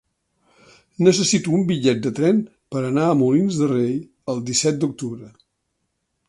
Necessito un bitllet de tren per anar a Molins de Rei el disset d'octubre.